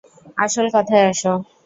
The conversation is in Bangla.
আসল কথায় আসো।